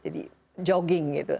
jadi jogging gitu